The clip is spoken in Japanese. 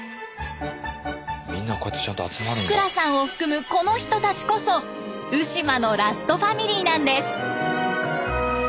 福羅さんを含むこの人たちこそ鵜島のラストファミリーなんです！